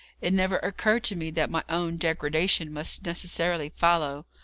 It never occurred to me that my own degradation must necessarily follow.